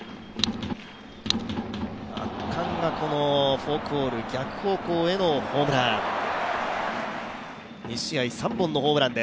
圧巻菜フォークボール逆方向へのホームラン。